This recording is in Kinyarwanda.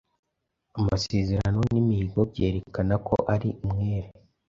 Amasezerano n'imihigo byerekana ko ari umwere,